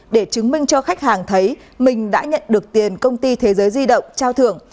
để chứng minh cho khách hàng thấy mình đã nhận được tiền công ty thế giới di động trao thưởng